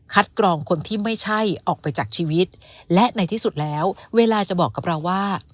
กรองคนที่ไม่ใช่ออกไปจากชีวิตและในที่สุดแล้วเวลาจะบอกกับเราว่า